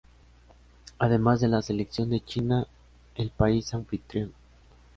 Además de la selección de China, el país anfitrión.